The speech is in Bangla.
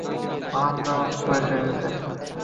আনন্দে অশ্রু এসেছে।